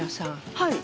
はい。